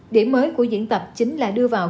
điểm mới của diễn tập chính là đưa vào